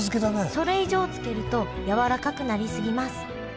それ以上漬けるとやわらかくなり過ぎます。